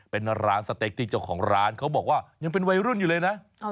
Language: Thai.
เป็นร้านสเต็กที่เจ้าของร้านเขาบอกว่ายังเป็นวัยรุ่นอยู่เลยนะ